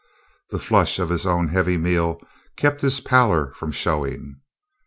The flush of his own heavy meal kept his pallor from showing.